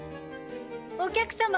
お客様！